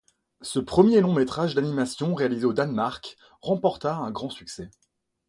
Ce premier long métrage d'animation réalisé au Danemark remporta un grand succès.